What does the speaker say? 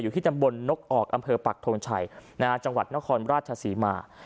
อยู่ที่จำบลนกออกอปักทงชัยนนครราชสีมา